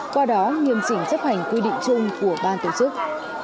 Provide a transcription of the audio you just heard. qua đó nghiêm chỉnh chấp hành quy định chung của ban tổ chức